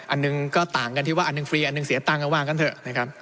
อันหนึ่งก็ต่างกันที่ว่าอันหนึ่งฟรีอันหนึ่งเสียตังค์ก็ว่ากันเถอะนะครับ